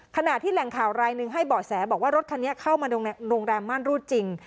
ขณะที่แหล่งข่าวรายหนึ่งให้เบาะแสบอกว่ารถคันนี้เข้ามาโรงแรมม่านรูดจริง